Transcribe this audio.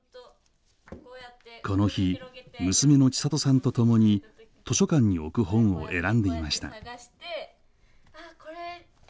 この日娘の千仁さんとともに図書館に置く本を選んでいました。